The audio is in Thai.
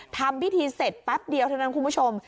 ทำพิธีเสร็จแป๊บเดียวเท่านั้นคุณผู้ชม